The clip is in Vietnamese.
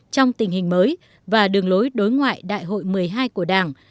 trong tình hình mới và đường lối đối ngoại đại hội một mươi hai của đảng